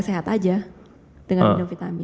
sehat saja dengan minum vitamin d